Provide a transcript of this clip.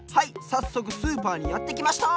さっそくスーパーにやってきました！